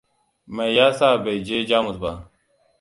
Mai ya sa bai je Jamus ba?